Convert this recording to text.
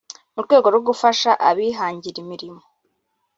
mu rwego rwo gufasha abihangira imirimo